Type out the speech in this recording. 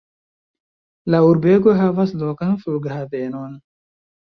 La urbego havas lokan flughavenon.